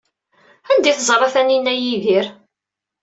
Anda ay teẓra Taninna Yidir?